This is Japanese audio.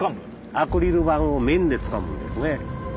アクリル板を面でつかむんですね。